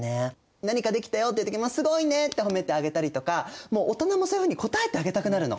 何かできたよって時も「すごいね」って褒めてあげたりとかもう大人もそういうふうに応えてあげたくなるの。